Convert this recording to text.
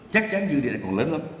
chắc chắn dư địa này còn lớn lắm